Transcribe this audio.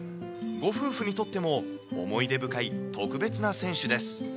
ご夫婦にとっても思い出深い特別な選手です。